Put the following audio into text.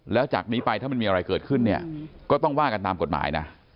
แล้วจากนี้ไปถ้ามันมีอะไรเกิดขึ้นเนี่ยก็ต้องว่ากันตามกฎหมายนะ